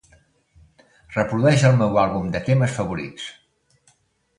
Reprodueix el meu àlbum de temes favorits.